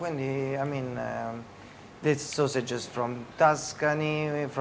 เราลองกินอาหารจริง